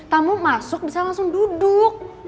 tamu masuk bisa langsung duduk